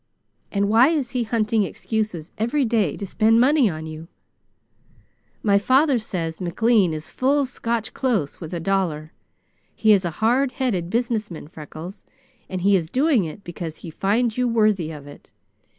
And why is he hunting excuses every day to spend money on you? My father says McLean is full Scotch close with a dollar. He is a hard headed business man, Freckles, and he is doing it because he finds you worthy of it.